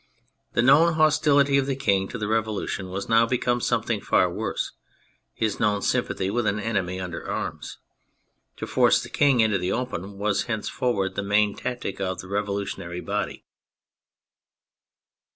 The kno\vn hostility of the King to the Revolution was now become something far worse : his known sympathy with an enemy under arms. To force the King into the open was henceforward the main tactic of the revolutionary body.